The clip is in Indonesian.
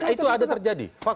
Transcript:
itu ada terjadi